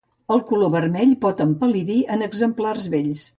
El color vermell pot empal·lidir en exemplars vells.